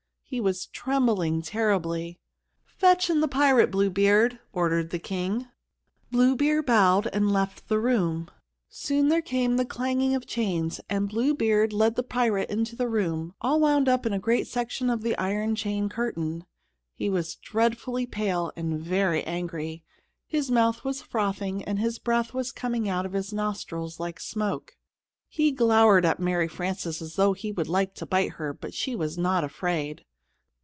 He was trembling terribly. "Fetch in the pirate, Blue Beard," ordered the King. Blue Beard bowed and left the room. Soon there came the clanging of chains, and Blue Beard led the pirate into the room, all wound up in a great section of the iron chain curtain. He was dreadfully pale and very angry. His mouth was frothing and his breath was coming out of his nostrils like smoke. He glowered at Mary Frances as though he would like to bite her, but she was not afraid.